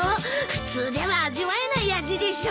普通では味わえない味でしょ？